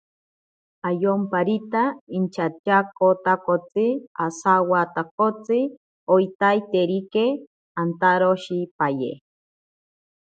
Ayomparita inchatyaakotakotsi osawatakotsi oitaiterike antaroshipaye.